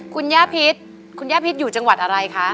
คุณย่าพิษคุณย่าพิษอยู่จังหวัดอะไรคะ